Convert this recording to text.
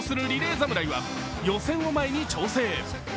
侍は予選を前に調整。